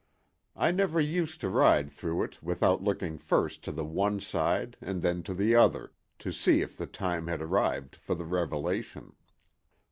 I never used to ride through it without looking first to the one side and then to the other, to see if the time had arrived for the revelation.